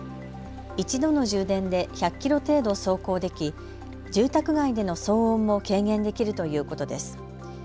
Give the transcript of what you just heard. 一度の充電で１００キロ程度走行でき住宅街での騒音も軽減できるということです。